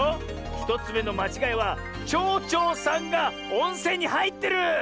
１つめのまちがいはちょうちょうさんがおんせんにはいってる！